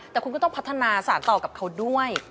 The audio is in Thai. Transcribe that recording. แต่คุณก็ต้องพัฒนาสารต่อกับเขาด้วย